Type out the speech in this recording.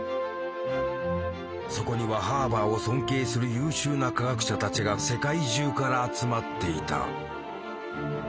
そこにはハーバーを尊敬する優秀な科学者たちが世界中から集まっていた。